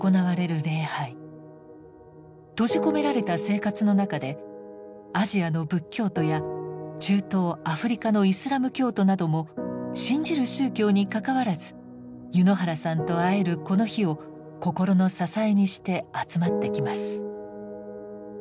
閉じ込められた生活の中でアジアの仏教徒や中東・アフリカのイスラム教徒なども信じる宗教にかかわらず柚之原さんと会えるこの日を心の支えにして集まってきます。